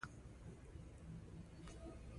لومړی دا چې په استوایي سیمو کې ناروغۍ ډېرې دي.